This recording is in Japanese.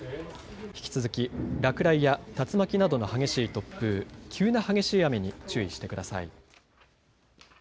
引き続き落雷や竜巻などの激しい突風、急な激しい雨に注意してください。